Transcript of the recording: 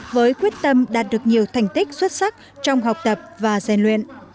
với quyết tâm đạt được nhiều thành tích xuất sắc trong học tập và gian luyện